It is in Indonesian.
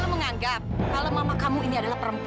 apa apa punya letting dalam hidup